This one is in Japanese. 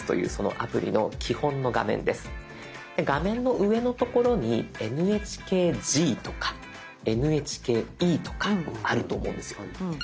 画面の上のところにＮＨＫＧとかＮＨＫＥとかあると思うんですよ。